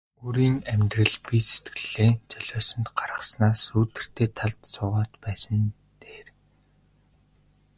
Өөрийн амьдрал бие сэтгэлээ золиосонд гаргаснаас сүүдэртэй талд суугаад байсан нь дээр.